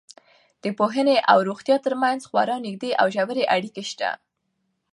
د پوهنې او روغتیا تر منځ خورا نږدې او ژورې اړیکې شته.